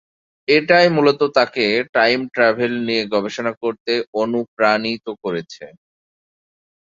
এটাই মূলত তাকে টাইম ট্রাভেল নিয়ে গবেষণা করতে অনুপ্রাণিত করেছে।